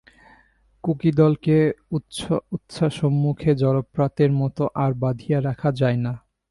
কুকিদলকে উচ্ছ্বাসোন্মুখ জলপ্রপাতের মতো আর বাঁধিয়া রাখা যায় না।